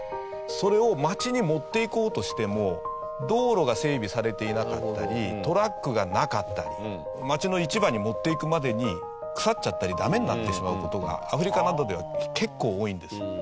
それを街に持っていこうとしても道路が整備されていなかったりトラックがなかったり街の市場に持っていくまでに腐っちゃったりダメになってしまう事がアフリカなどでは結構多いんです。